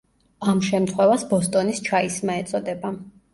ამ შემთხვევას ბოსტონის ჩაის სმა ეწოდა.